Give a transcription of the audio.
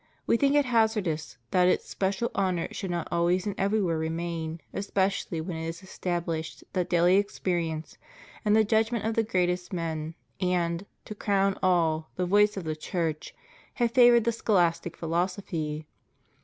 We think it hazardous that its special honor should not always and everywhere remain, especially when it is established that daily experience, and the judgment of the greatest men, and, to cro^^^l all, the voice of the Church, have favored the scholastic philosophy.